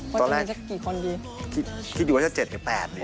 ว่าจะมีจะกี่คนดีตอนแรกคิดอยู่ว่าจะ๗หรือ๘ดี